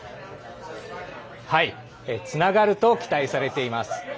つながると期待されています。